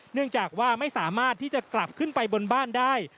เนื่องจากว่าไม่สามารถที่จะกลับขึ้นไปบนบ้านได้